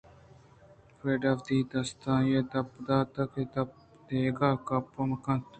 فریڈا ءَوتی دست آئی ءِ دپ ءَ دات کہ دگہ گپ مہ کنت